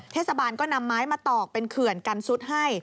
เทศบาลก็นำไม้มาตอกเป็นเขื่อนกันซุดให้